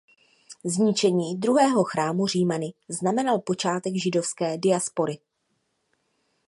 Zničení Druhého chrámu Římany znamenal počátek židovské diaspory.